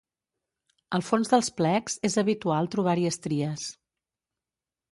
Al fons dels plecs és habitual trobar-hi estries.